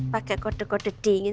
pakai kode kode dingin